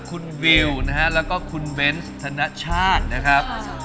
คุณวิวนะฮะแล้วก็คุณเบนส์ธนชาตินะครับ